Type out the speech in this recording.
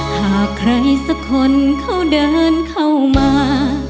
หากใครสักคนเขาเดินเข้ามา